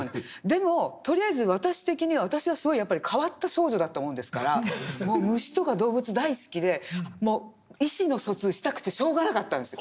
でもとりあえず私的には私はすごいやっぱり変わった少女だったもんですからもう虫とか動物大好きでもう意思の疎通したくてしょうがなかったんですよ。